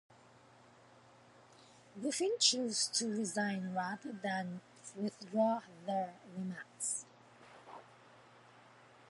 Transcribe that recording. Griffith chose to resign rather than withdraw the remarks.